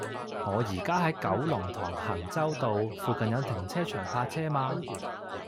我依家喺九龍塘衡州道，附近有停車場泊車嗎